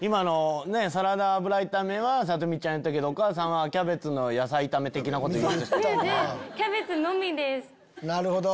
サラダ油炒めはさと美ちゃん言ったけどお母さんはキャベツの野菜炒め的なこと言ったもんね。